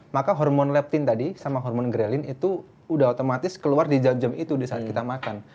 maka hormon leptin tadi sama hormon grelin itu udah otomatis keluar di jam jam itu di saat kita makan